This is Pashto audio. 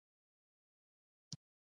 کښتۍ مې د ډبرین میل خواته نږدې بوتلله.